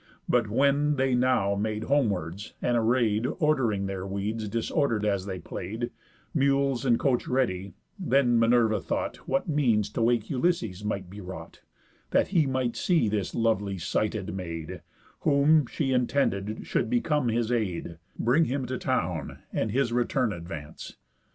But when they now made homewards, and array'd, Ord'ring their weeds disorder'd as they play'd, Mules and coach ready, then Minerva thought What means to wake Ulysses might be wrought, That he might see this lovely sighted maid, Whom she intended should become his aid, Bring him to town, and his return advance.